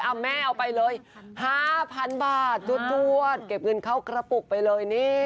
อ่ะแม่เอาไปเลยห้าพันบาทจุดจวดเก็บเงินเข้ากระปุกไปเลยนี่